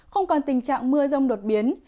không còn tình trạng mưa rông đột biến